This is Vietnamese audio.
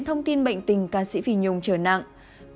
thông tin bệnh tình ca sĩ phi nhung trở nặng